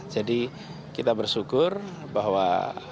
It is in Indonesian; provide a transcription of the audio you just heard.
jadi kita bersyukur bahwa